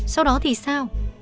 sau đó thì sao